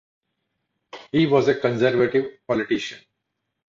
He was a Conservative politician.